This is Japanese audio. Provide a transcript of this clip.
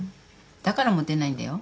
だからモテないんだよ。